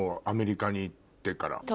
アメリカに行ってから。